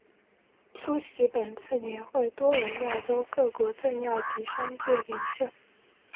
出席本次年会多为亚洲各国政要及商界领袖。